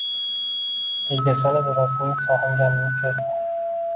Ergashali dadasining sog‘inganini sezdi.